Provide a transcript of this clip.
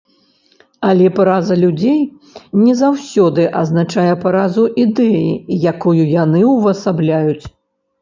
Але параза людзей не заўсёды азначае паразу ідэі, якую яны ўвасабляюць.